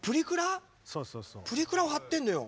プリクラ貼ってるのよ。